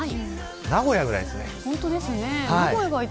名古屋くらいですね。